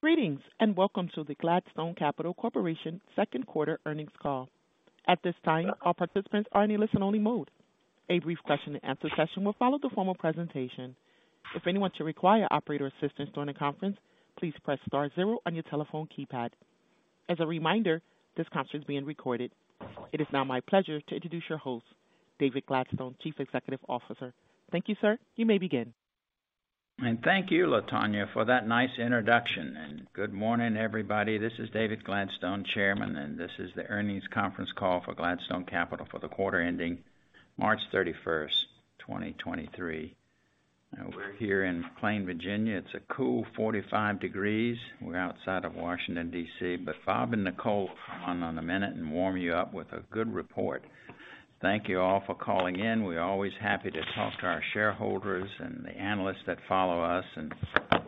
Greetings and welcome to the Gladstone Capital Corporation 2nd quarter earnings call. At this time, all participants are in a listen-only mode. A brief question and answer session will follow the formal presentation. If anyone should require operator assistance during the conference, please press star zero on your telephone keypad. As a reminder, this conference is being recorded. It is now my pleasure to introduce your host, David Gladstone Chief Executive Officer. Thank you, sir. You may begin. Thank you Latanya for that nice introduction. Good morning everybody. This is David Gladstone, Chairman, and this is the earnings conference call for Gladstone Capital for the quarter ending March 31, 2023. We're here in McLean, Virginia. It's a cool 45 degrees. We're outside of Washington D.C. Bob and Nicole will come on in a minute and warm you up with a good report. Thank you all for calling in. We're always happy to talk to our shareholders and the analysts that follow us, and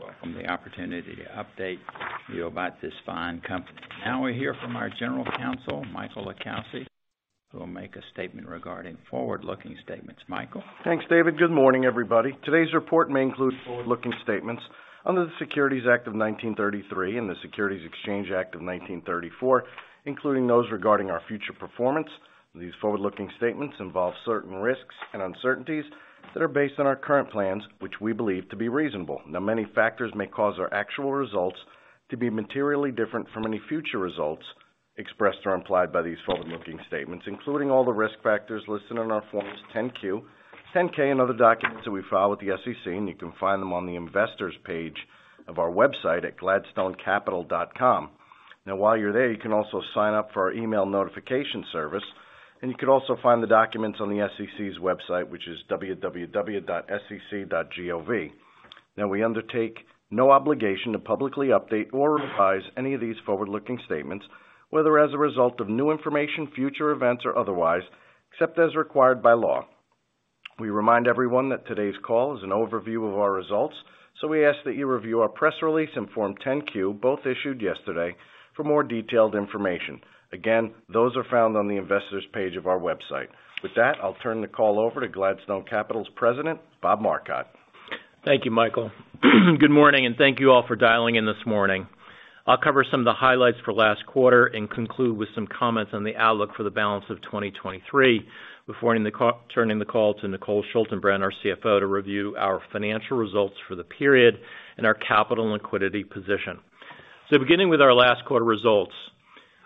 welcome the opportunity to update you about this fine company. We hear from our General Counsel Michael LiCalsi, who will make a statement regarding forward-looking statements. Michael. Thanks David. Good morning, everybody. Today's report may include forward-looking statements under the Securities Act of 1933 and the Securities Exchange Act of 1934, including those regarding our future performance. These forward-looking statements involve certain risks and uncertainties that are based on our current plans, which we believe to be reasonable. Many factors may cause our actual results to be materially different from any future results expressed or implied by these forward-looking statements, including all the risk factors listed in our Forms 10-Q, 10-K, other documents that we file with the SEC. You can find them on the investors page of our website at gladstonecapital.com. While you're there, you can also sign up for our email notification service, and you can also find the documents on the SEC's website, which is www.sec.gov. We undertake no obligation to publicly update or revise any of these forward-looking statements, whether as a result of new information, future events, or otherwise, except as required by law. We remind everyone that today's call is an overview of our results. We ask that you review our press release and Form 10-Q, both issued yesterday for more detailed information. Those are found on the investors page of our website. With that, I'll turn the call over to Gladstone Capital's President, Bob Marcotte. Thank you Michael. Good morning and thank you all for dialing in this morning. I'll cover some of the highlights for last quarter and conclude with some comments on the outlook for the balance of 2023 before turning the call to Nicole Schaltenbrand, our CFO, to review our financial results for the period and our capital and liquidity position. Beginning with our last quarter results.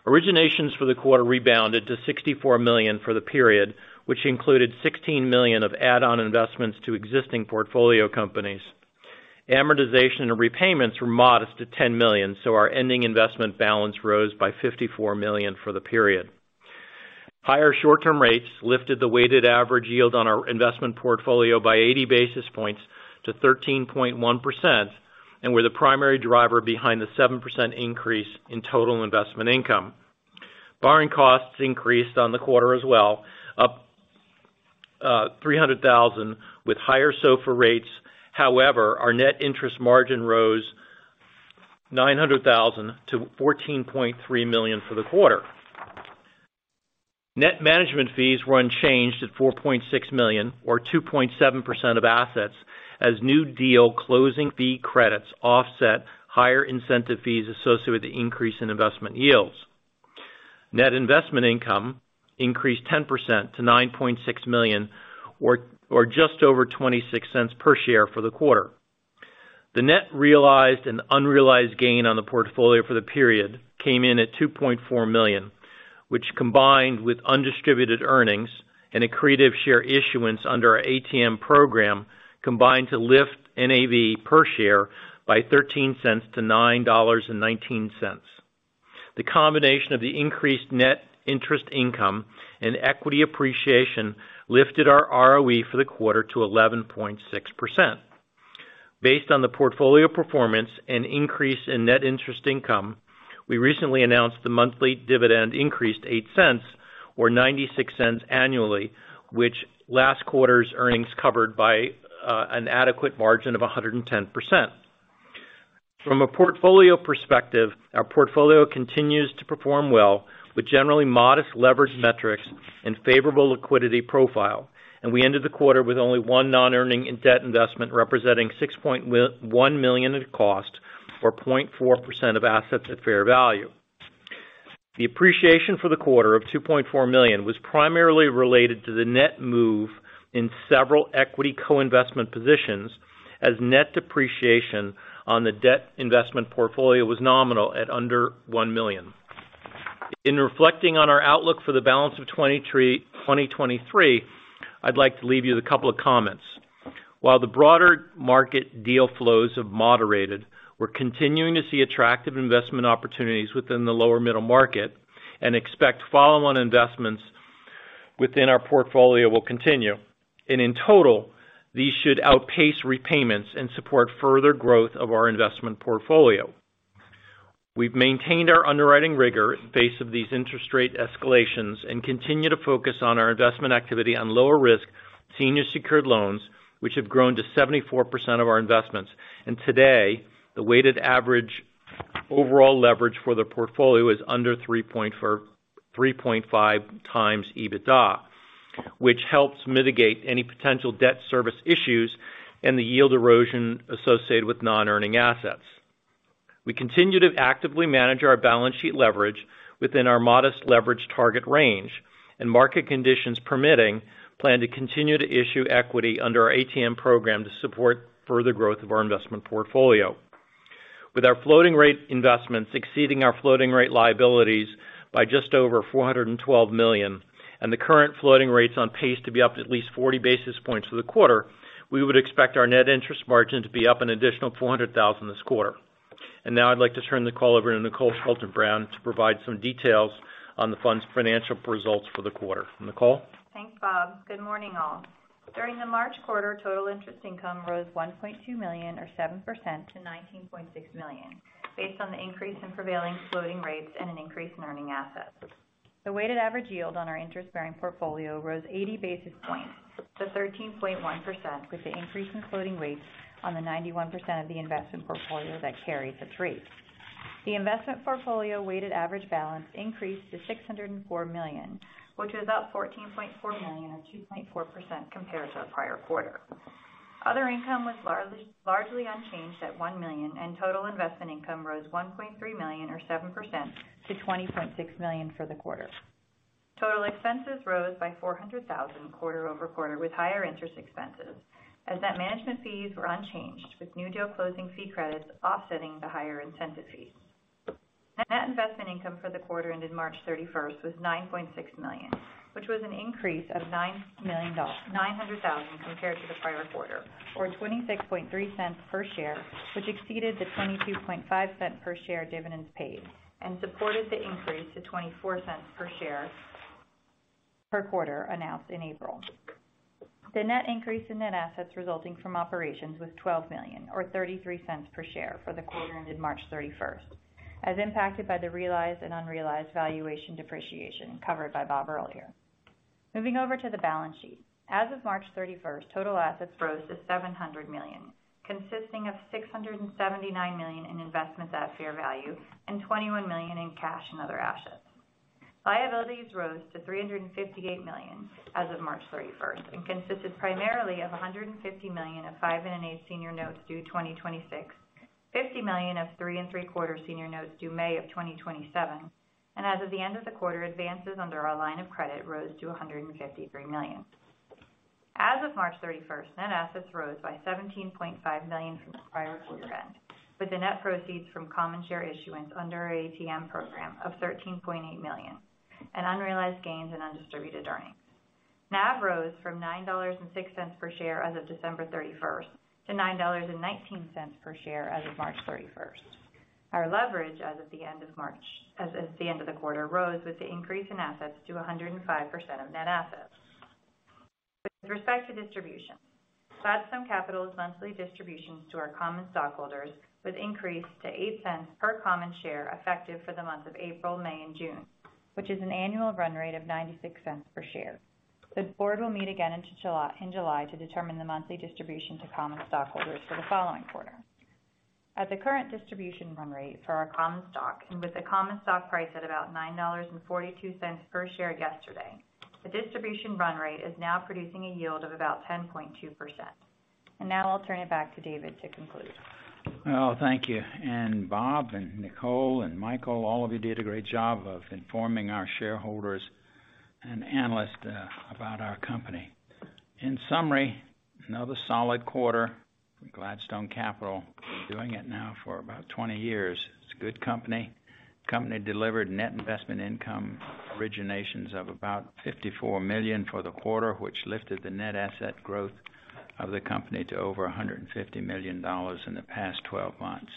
Originations for the quarter rebounded to $64 million for the period, which included $16 million of add-on investments to existing portfolio companies. Amortization and repayments were modest at $10 million, our ending investment balance rose by $54 million for the period. Higher short-term rates lifted the weighted average yield on our investment portfolio by 80 basis points to 13.1% and were the primary driver behind the 7% increase in total investment income. Borrowing costs increased on the quarter as well, up $300,000 with higher SOFR rates. However, our net interest margin rose $900,000 to $14.3 million for the quarter. Net management fees were unchanged at $4.6 million or 2.7% of assets as new deal closing fee credits offset higher incentive fees associated with the increase in investment yields. Net investment income increased 10% to $9.6 million or just over $0.26 per share for the quarter. The net realized and unrealized gain on the portfolio for the period came in at $2.4 million, which combined with undistributed earnings and accretive share issuance under our ATM program, combined to lift NAV per share by $0.13 to $9.19. The combination of the increased net interest income and equity appreciation lifted our ROE for the quarter to 11.6%. Based on the portfolio performance and increase in net interest income, we recently announced the monthly dividend increased $0.08 or $0.96 annually, which last quarter's earnings covered by an adequate margin of 110%. From a portfolio perspective, our portfolio continues to perform well with generally modest leverage metrics and favorable liquidity profile. We ended the quarter with only one non-earning in debt investment, representing $6.1 million at cost for 0.4% of assets at fair value. The appreciation for the quarter of $2.4 million was primarily related to the net move in several equity co-investment positions, as net depreciation on the debt investment portfolio was nominal at under $1 million. In reflecting on our outlook for the balance of 2023, I'd like to leave you with a couple of comments. While the broader market deal flows have moderated, we're continuing to see attractive investment opportunities within the lower middle market and expect follow-on investments within our portfolio will continue. In total, these should outpace repayments and support further growth of our investment portfolio. We've maintained our underwriting rigor in face of these interest rate escalations and continue to focus on our investment activity on lower risk senior secured loans, which have grown to 74% of our investments. Today, the weighted average overall leverage for the portfolio is under 3.5 times EBITDA. Which helps mitigate any potential debt service issues and the yield erosion associated with non-earning assets. We continue to actively manage our balance sheet leverage within our modest leverage target range and market conditions permitting plan to continue to issue equity under our ATM program to support further growth of our investment portfolio. With our floating rate investments exceeding our floating rate liabilities by just over $412 million and the current floating rates on pace to be up at least 40 basis points for the quarter, we would expect our net interest margin to be up an additional $400,000 this quarter. Now I'd like to turn the call over to Nicole Schaltenbrand to provide some details on the fund's financial results for the quarter. Nicole. Thanks Bob. Good morning all. During the March quarter, total interest income rose $1.2 million or 7% to $19.6 million based on the increase in prevailing floating rates and an increase in earning assets. The weighted average yield on our interest-bearing portfolio rose 80 basis points to 13.1% with the increase in floating rates on the 91% of the investment portfolio that carries its rate. The investment portfolio weighted average balance increased to $604 million, which was up $14.4 million or 2.4% compared to our prior quarter. Other income was largely unchanged at $1 million, and total investment income rose $1.3 million or 7% to $20.6 million for the quarter. Total expenses rose by $400,000 quarter-over-quarter, with higher interest expenses. Asset management fees were unchanged, with new deal closing fee credits offsetting the higher incentive fees. Net investment income for the quarter ended March 31st was $9.6 million, which was an increase of $900,000 compared to the prior quarter or $0.263 per share, which exceeded the $0.225 per share dividends paid and supported the increase to $0.24 per share per quarter announced in April. The net increase in net assets resulting from operations was $12 million or $0.33 per share for the quarter ended March 31st, as impacted by the realized and unrealized valuation depreciation covered by Bob earlier. Moving over to the balance sheet. As of March 31st, total assets rose to $700 million, consisting of $679 million in investments at fair value and $21 million in cash and other assets. Liabilities rose to $358 million as of March 31st and consisted primarily of $150 million of 5.125% Notes due 2026, $50 million of 3.75% Notes due May of 2027. And as of the end of the quarter, advances under our line of credit rose to $153 million. As of March 31st, net assets rose by $17.5 million from the prior quarter end, with the net proceeds from common share issuance under our ATM program of $13.8 million and unrealized gains and undistributed earnings. NAV rose from $9.06 per share as of December 31st to $9.19 per share as of March 31st. Our leverage as of the end of the quarter rose with the increase in assets to 105% of net assets. With respect to distributions, Gladstone Capital's monthly distributions to our common stockholders was increased to $0.08 per common share effective for the month of April, May, and June, which is an annual run rate of $0.96 per share. The board will meet again in July to determine the monthly distribution to common stockholders for the following quarter. At the current distribution run rate for our common stock and with the common stock price at about $9.42 per share yesterday, the distribution run rate is now producing a yield of about 10.2%. Now I'll turn it back to David to conclude. Well thank you and Bob and Nicole and Michael, all of you did a great job of informing our shareholders and analysts about our company. In summary, another solid quarter for Gladstone Capital. Been doing it now for about 20 years. It's a good company. Company delivered net investment income originations of about $54 million for the quarter, which lifted the net asset growth of the company to over $150 million in the past 12 months.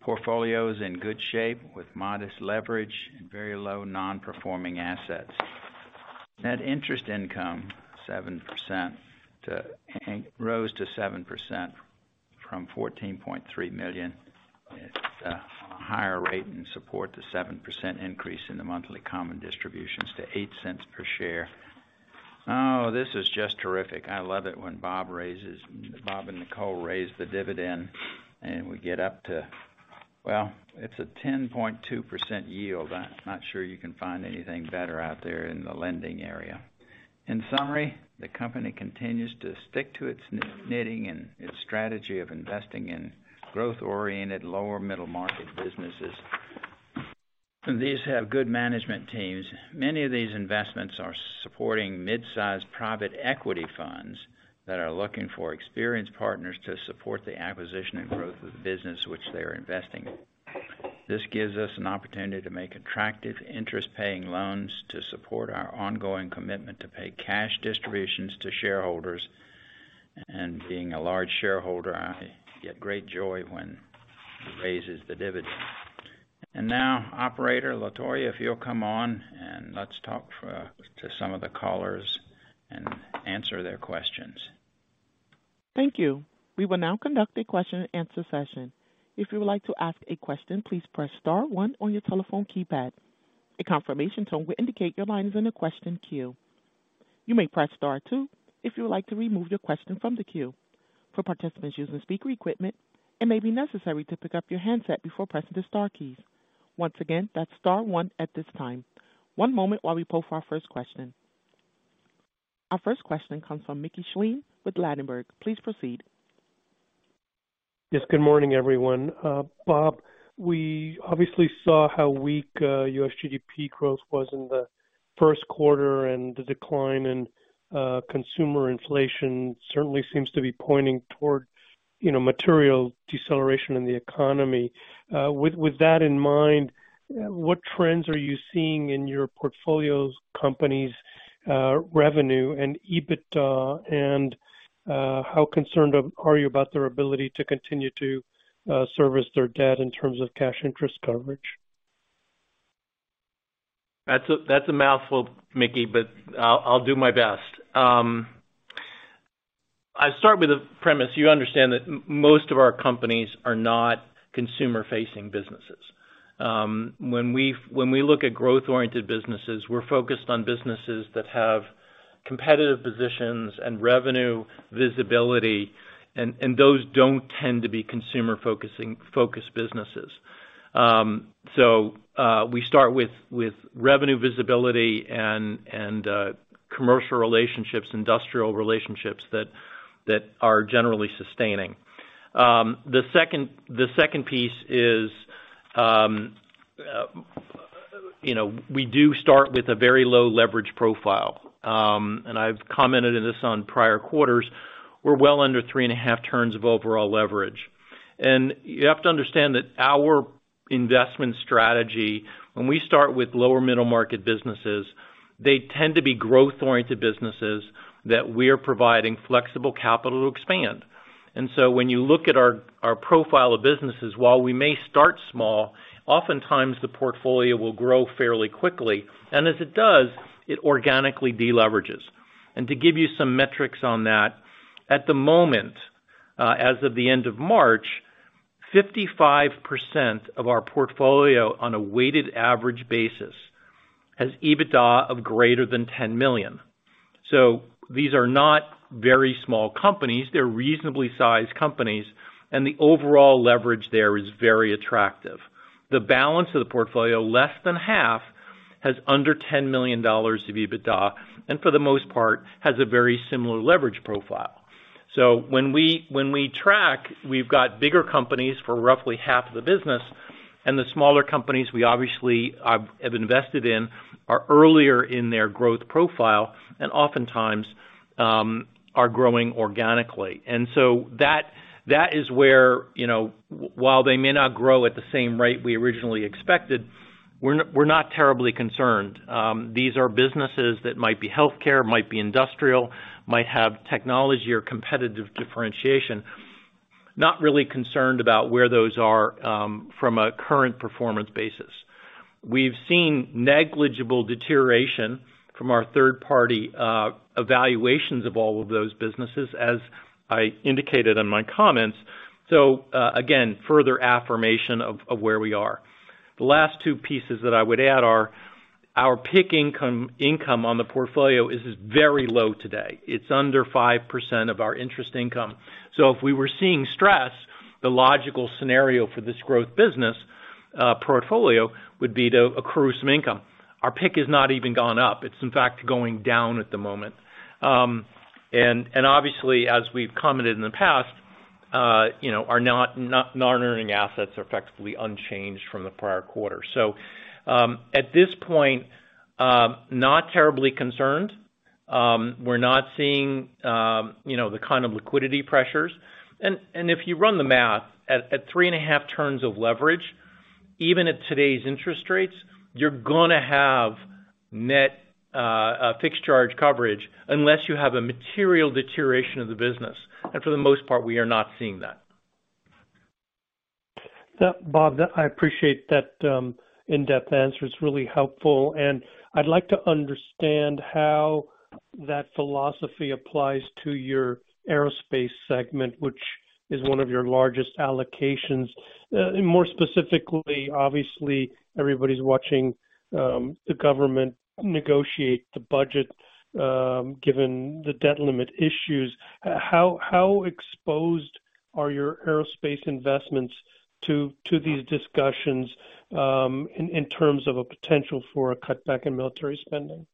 Portfolio is in good shape with modest leverage and very low non-performing assets. Net interest income, 7% rose to 7% from $14.3 million. It's a higher rate and support the 7% increase in the monthly common distributions to $0.08 per share. Oh, this is just terrific. I love it when Bob and Nicole raise the dividend and we get up to, well, it's a 10.2% yield. I'm not sure you can find anything better out there in the lending area. In summary, the company continues to stick to its knitting and its strategy of investing in growth-oriented, lower middle-market businesses. These have good management teams. Many of these investments are supporting mid-sized private equity funds that are looking for experienced partners to support the acquisition and growth of the business which they are investing in. This gives us an opportunity to make attractive interest-paying loans to support our ongoing commitment to pay cash distributions to shareholders. Being a large shareholder, I get great joy when he raises the dividend. Now Operator Latoya, if you'll come on and let's talk for, to some of the callers and answer their questions. Thank you. We will now conduct a question and answer session. If you would like to ask a question, please press star one on your telephone keypad. A confirmation tone will indicate your line is in the question queue. You may press star two if you would like to remove your question from the queue. For participants using speaker equipment, it may be necessary to pick up your handset before pressing the star keys. Once again, that's star one at this time. One moment while we pull for our first question. Our first question comes from Mickey Schleien with Ladenburg. Please proceed. Yes, good morning, everyone. Bob, we obviously saw how weak, U.S. GDP growth was in the first quarter, and the decline in consumer inflation certainly seems to be pointing toward, you know, material deceleration in the economy. With that in mind, what trends are you seeing in your portfolio's companies', revenue and EBITDA? And how concerned are you about their ability to continue to service their debt in terms of cash interest coverage? That's a mouthful Mickey, but I'll do my best. I start with a premise. You understand that most of our companies are not consumer-facing businesses. When we look at growth-oriented businesses, we're focused on businesses that have competitive positions and revenue visibility, and those don't tend to be consumer focused businesses. We start with revenue visibility and commercial relationships, industrial relationships that are generally sustaining. The second piece is, you know, we do start with a very low leverage profile. I've commented on this on prior quarters. We're well under 3.5 turns of overall leverage. You have to understand that our investment strategy, when we start with lower middle-market businesses, they tend to be growth-oriented businesses that we're providing flexible capital to expand. When you look at our profile of businesses, while we may start small, oftentimes the portfolio will grow fairly quickly. As it does, it organically de-leverages. To give you some metrics on that, at the moment, as of the end of March, 55% of our portfolio on a weighted average basis has EBITDA of greater than $10 million. These are not very small companies. They're reasonably sized companies, and the overall leverage there is very attractive. The balance of the portfolio, less than half, has under $10 million of EBITDA, and for the most part, has a very similar leverage profile. When we track, we've got bigger companies for roughly half of the business, and the smaller companies we obviously have invested in are earlier in their growth profile and oftentimes are growing organically. That is where, you know, while they may not grow at the same rate we originally expected, we're not terribly concerned. These are businesses that might be healthcare, might be industrial, might have technology or competitive differentiation. Not really concerned about where those are from a current performance basis. We've seen negligible deterioration from our third-party evaluations of all of those businesses, as I indicated in my comments. Again, further affirmation of where we are. The last two pieces that I would add are our PIK income on the portfolio is very low today. It's under 5% of our interest income. If we were seeing stress, the logical scenario for this growth business portfolio would be to accrue some income. Our PIK has not even gone up. It's in fact going down at the moment. Obviously, as we've commented in the past, you know, non-earning assets are effectively unchanged from the prior quarter. So at this point, not terribly concerned. We're not seeing, you know, the kind of liquidity pressures. If you run the math, at 3.5 turns of leverage, even at today's interest rates, you're gonna have net fixed charge coverage unless you have a material deterioration of the business. For the most part, we are not seeing that. Yeah Bob, I appreciate that in-depth answer. It's really helpful, and I'd like to understand how that philosophy applies to your aerospace segment, which is one of your largest allocations. More specifically, obviously, everybody's watching the government negotiate the budget given the debt limit issues. How exposed are your aerospace investments to these discussions in terms of a potential for a cutback in military spending?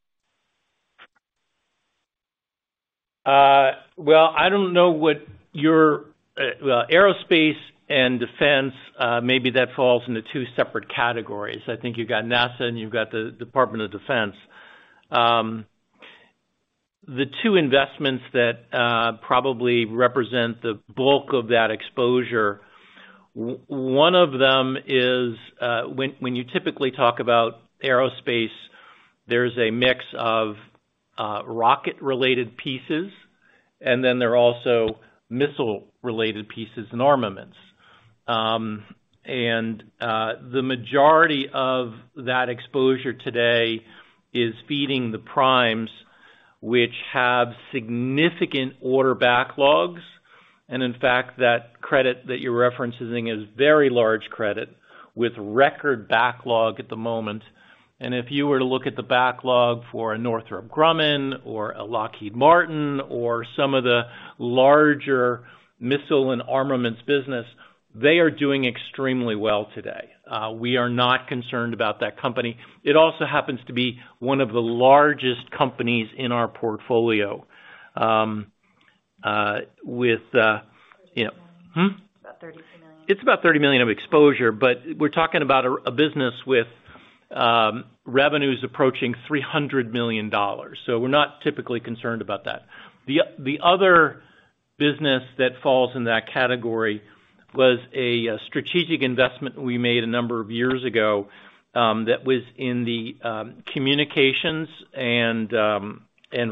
Well, I don't know what your... well, aerospace and defense, maybe that falls into two separate categories. I think you've got NASA and you've got the Department of Defense. The two investments that probably represent the bulk of that exposure, one of them is, when you typically talk about aerospace, there's a mix of rocket-related pieces, and then there are also missile-related pieces and armaments. The majority of that exposure today is feeding the primes, which have significant order backlogs. In fact, that credit that you're referencing is very large credit with record backlog at the moment. If you were to look at the backlog for a Northrop Grumman or a Lockheed Martin or some of the larger missile and armaments business, they are doing extremely well today. We are not concerned about that company. It also happens to be one of the largest companies in our portfolio, with, you know. About $32 million. Hmm? About $32 million. It's about $30 million of exposure. We're talking about a business with revenues approaching $300 million. We're not typically concerned about that. The other business that falls in that category was a strategic investment we made a number of years ago that was in the communications and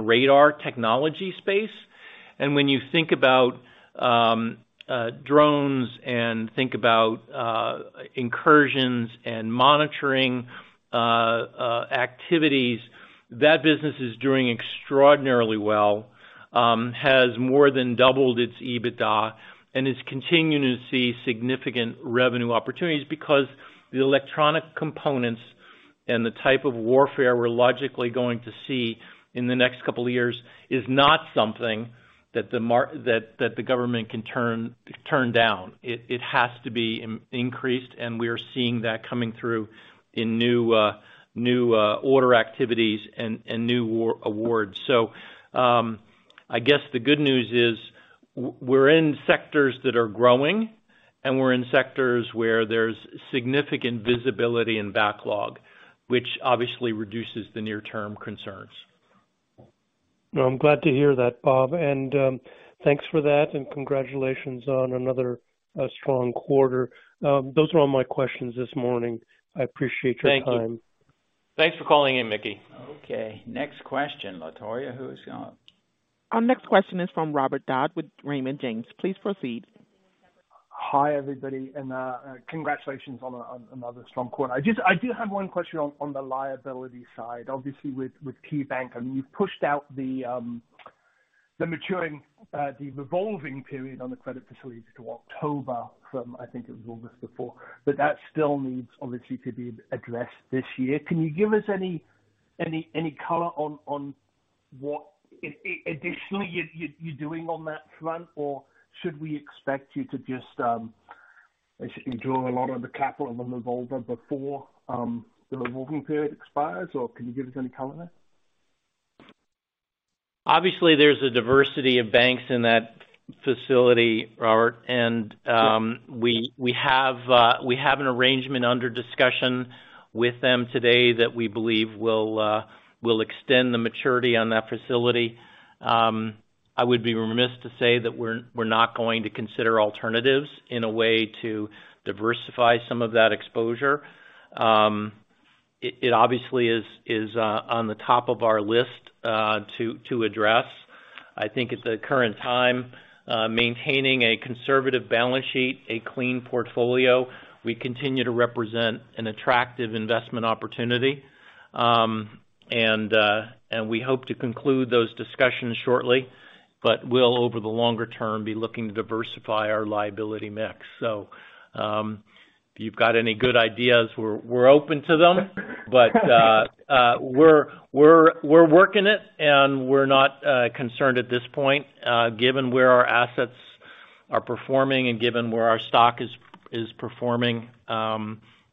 radar technology space. When you think about drones and think about incursions and monitoring activities, that business is doing extraordinarily well. Has more than doubled its EBITDA and is continuing to see significant revenue opportunities because the electronic components and the type of warfare we're logically going to see in the next couple of years is not something that the government can turn down. It has to be increased, and we are seeing that coming through in new order activities and new awards. I guess the good news is we're in sectors that are growing, and we're in sectors where there's significant visibility and backlog, which obviously reduces the near-term concerns. No I'm glad to hear that Bob, thanks for that, and congratulations on another strong quarter. Those are all my questions this morning. I appreciate your time. Thank you. Thanks for calling in, Mickey. Okay. Next question. Latoya, who's got it? Our next question is from Robert Dodd with Raymond James. Please proceed. Hi everybody, and congratulations on another strong quarter. I do have one question on the liability side, obviously with KeyBank. I mean, you've pushed out the maturing the revolving period on the credit facilities to October from, I think it was August before. That still needs obviously to be addressed this year. Can you give us any color on what additionally you're doing on that front? Should we expect you to just, I guess, draw a lot of the capital of the revolver before the revolving period expires? Can you give us any color there? Obviously, there's a diversity of banks in that facility Robert. Sure. We have an arrangement under discussion with them today that we believe will extend the maturity on that facility. I would be remiss to say that we're not going to consider alternatives in a way to diversify some of that exposure. It obviously is on the top of our list to address. I think at the current time, maintaining a conservative balance sheet, a clean portfolio, we continue to represent an attractive investment opportunity. We hope to conclude those discussions shortly, but we'll, over the longer term, be looking to diversify our liability mix. If you've got any good ideas, we're open to them. We're working it, and we're not concerned at this point, given where our assets are performing and given where our stock is performing.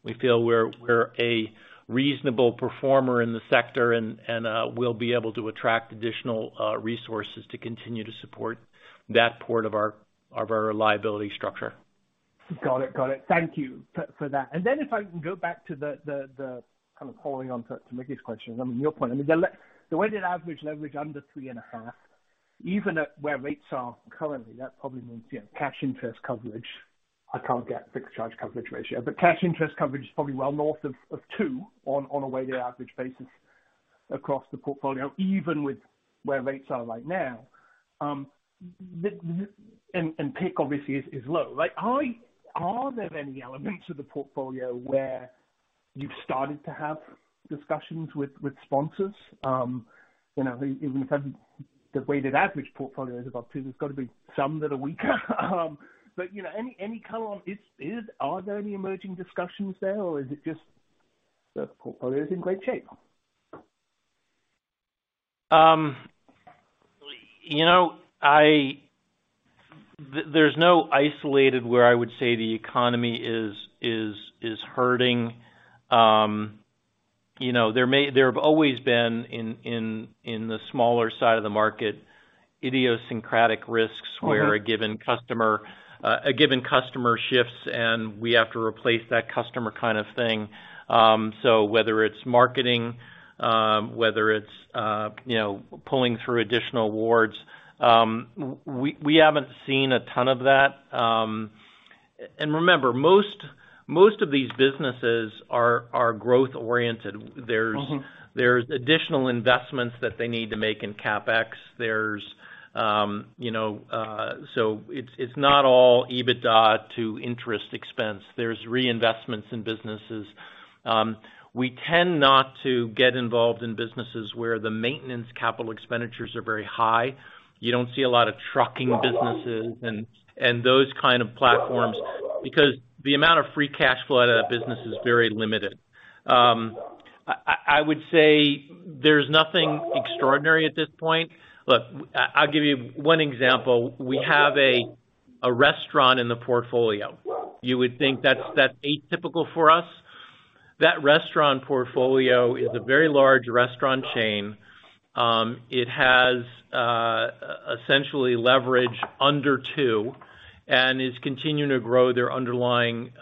We feel we're a reasonable performer in the sector and we'll be able to attract additional resources to continue to support that port of our liability structure. Got it Got it. Thank you for that. Then if I can go back to the kind of following on to Mickey's question. I mean, your point, I mean, the weighted average leverage under 3.5, even at where rates are currently, that probably means, you know, cash interest coverage. I can't get fixed charge coverage ratio. Cash interest coverage is probably well north of two on a weighted average basis across the portfolio, even with where rates are right now. And PIK obviously is low. Like, are there any elements of the portfolio where you've started to have discussions with sponsors? You know, even if the weighted average portfolio is about two, there's got to be some that are weaker. You know, any color on are there any emerging discussions there or is it just the portfolio is in great shape? you know, there's no isolated where I would say the economy is hurting. you know, there have always been in the smaller side of the market, idiosyncratic risks- Mm-hmm... where a given customer shifts, and we have to replace that customer kind of thing. Whether it's marketing, whether it's, you know, pulling through additional awards, we haven't seen a ton of that. Remember, most of these businesses are growth oriented. Mm-hmm... there's additional investments that they need to make in CapEx. There's, you know, so it's not all EBITDA to interest expense. There's reinvestments in businesses. We tend not to get involved in businesses where the maintenance capital expenditures are very high. You don't see a lot of trucking businesses and those kind of platforms because the amount of free cash flow out of that business is very limited. I would say there's nothing extraordinary at this point. Look, I'll give you one example. We have a restaurant in the portfolio. You would think that's atypical for us. That restaurant portfolio is a very large restaurant chain. It has essentially leverage under two and is continuing to grow their underlying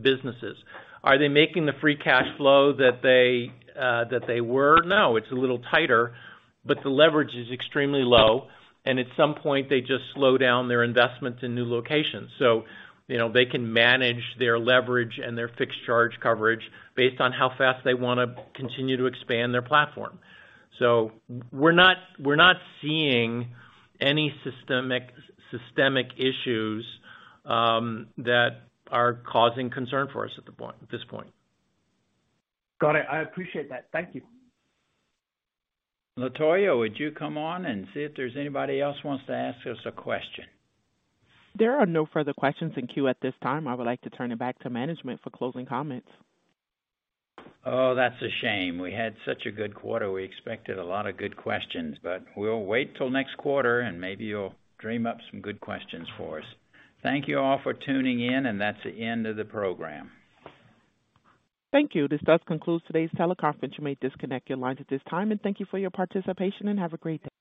businesses. Are they making the free cash flow that they that they were, now It's a little tighter, the leverage is extremely low, at some point, they just slow down their investments in new locations. You know, they can manage their leverage and their fixed charge coverage based on how fast they wanna continue to expand their platform. So we're not seeing any systemic issues that are causing concern for us at this point. Got it. I appreciate that. Thank you. Latoya, would you come on and see if there's anybody else who wants to ask us a question? There are no further questions in queue at this time. I would like to turn it back to management for closing comments. Oh, that's a shame. We had such a good quarter. We expected a lot of good questions. We'll wait till next quarter and maybe you'll dream up some good questions for us. Thank you all for tuning in, and that's the end of the program. Thank you. This does conclude today's teleconference. You may disconnect your lines at this time. Thank you for your participation, and have a great day.